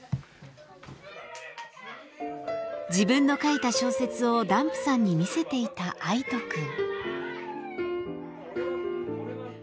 自分の書いた小説をダンプさんに見せていた愛叶くん。